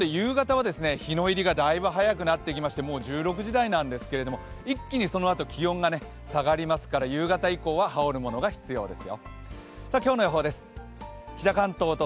一方で夕方は日の入りがだいぶ早くなってきまして、もう１６時台なんですけど、一気にそのあと気温が下がりますから夕方以降は羽織る物が必要です。